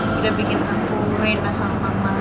sudah bikin aku merindah sama mama